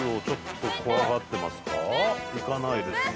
行かないですね。